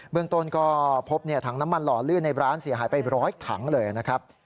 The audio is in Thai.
เมืองต้นก็พบถังน้ำมันหล่อลื่นในร้านเสียหายไป๑๐๐ถังเลยนะครับ